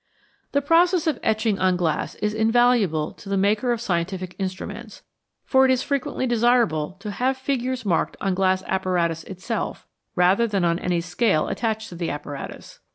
The process of etching on glass is invaluable to the maker of scientific instruments, for it is frequently desir able to have figures marked on glass apparatus itself rather than on any scale attached to the apparatus.